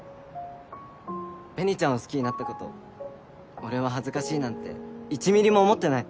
紅ちゃんを好きになったこと俺は恥ずかしいなんて１ミリも思ってない。